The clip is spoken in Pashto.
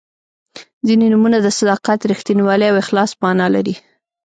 •ځینې نومونه د صداقت، رښتینولۍ او اخلاص معنا لري.